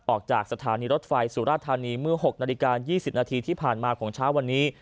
ออกจากสถานีรถไฟสุราธานีเมื่อ๖นาฬิกา๒๐นาทีที่ผ่านมาของเช้าวันนี้